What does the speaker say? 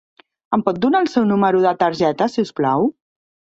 Em pot donar el seu número de targeta si us plau?